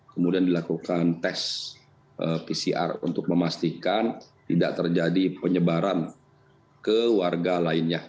kemudian dilakukan tes pcr untuk memastikan tidak terjadi penyebaran ke warga lainnya